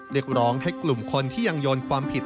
เรียกร้องให้กลุ่มคนที่ยังโยนความผิด